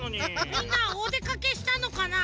みんなおでかけしたのかな？